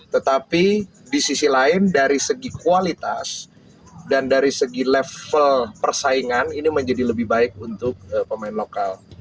tetapi di sisi lain dari segi kualitas dan dari segi level persaingan ini menjadi lebih baik untuk pemain lokal